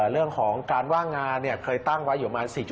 เรื่องของการว่างงานเคยตั้งไว้อยู่ประมาณ๔๐